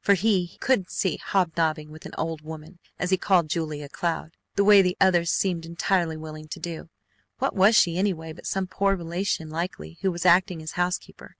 For he "couldn't see" hobnobbing with an "old woman," as he called Julia Cloud, the way the others seemed entirely willing to do. What was she anyway but some poor relation likely who was acting as housekeeper?